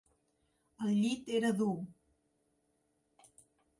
El llit era dur.